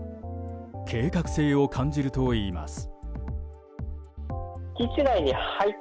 計画性を感じるといいます。